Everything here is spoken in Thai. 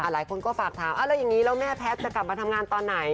หลายคนก็ฝากถามแล้วอย่างนี้แล้วแม่แพทย์จะกลับมาทำงานตอนไหน